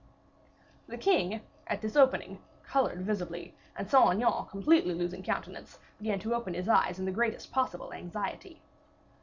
The king, at this opening, colored visibly, and Saint Aignan, completely losing countenance, began to open his eyes in the greatest possible anxiety.